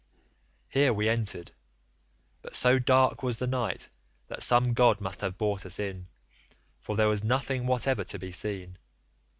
"Here we entered, but so dark was the night that some god must have brought us in, for there was nothing whatever to be seen.